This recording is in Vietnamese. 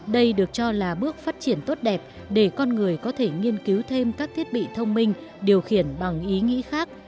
đây được cho là bước phát triển tốt đẹp để con người có thể nghiên cứu thêm các thiết bị thông minh điều khiển bằng ý nghĩ khác